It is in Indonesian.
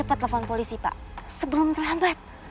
nah kita harus pergi ke polisi pak sebelum terlambat